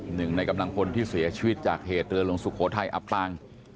หนึ่งในกำลังพลที่เสียชีวิตจากเหตุเรือหลวงสุโขทัยอับปาง